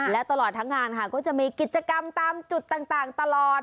และตลอดทั้งงานค่ะก็จะมีกิจกรรมตามจุดต่างตลอด